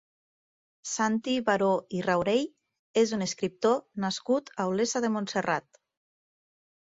Santi Baró i Raurell és un escriptor nascut a Olesa de Montserrat.